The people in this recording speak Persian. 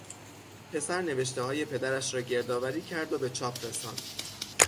پسر نوشتههای پدرش را گردآوری کرد و به چاپ رساند.